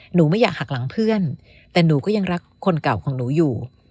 หนูไม่อยากหักหลังเพื่อนแต่หนูก็ยังรักคนเก่าของหนูอยู่